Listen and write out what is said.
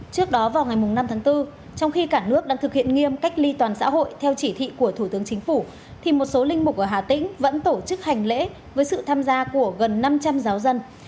trước đó vào ngày năm tháng bốn trong khi cả nước đang thực hiện nghiêm cách ly toàn xã hội theo chỉ thị của thủ tướng chính phủ thì một số linh mục ở hà tĩnh vẫn tổ chức hành lễ với sự tham gia của gần năm trăm linh giáo dân